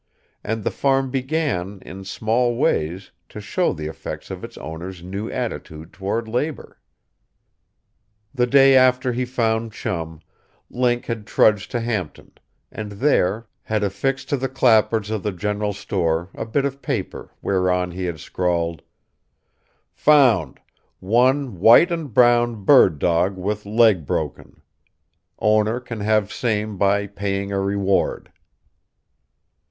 And the farm began, in small ways, to show the effects of its owner's new attitude toward labor. The day after he found Chum, Link had trudged to Hampton; and, there, had affixed to the clapboards of the general store a bit of paper whereon he had scrawled: "Found One white and brown bird dog with leg broken. Owner can have same by paying a reward."